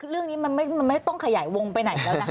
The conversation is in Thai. เรื่องนี้มันไม่ต้องขยายวงไปไหนแล้วนะคะ